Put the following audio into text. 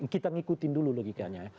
kita ngikutin dulu logikanya